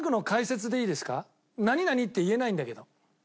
何々って言えないんだけど。